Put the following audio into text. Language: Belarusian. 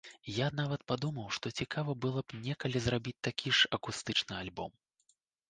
Я нават падумаў, што цікава было б некалі зрабіць такі ж акустычны альбом.